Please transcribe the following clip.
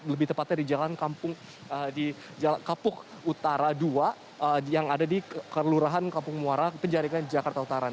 lebih tepatnya di jalan kapuk utara dua yang ada di kelurahan kampung muara penjaringan jakarta utara